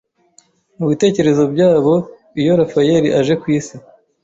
mubitekerezo byabo Iyo Rafayeli aje ku isi